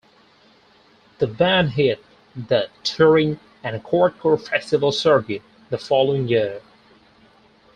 The band hit the touring and hardcore festival circuit the following year.